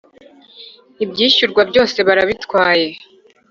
Ibyishyurwa byose barabitwaye